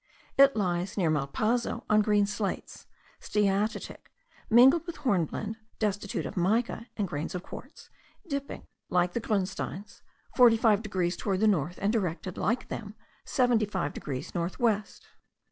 It lies, near Malpaso, on green slates, steatitic, mingled with hornblende, destitute of mica and grains of quartz, dipping, like the grunsteins, 45 degrees toward the north, and directed, like them, 75 degrees north west.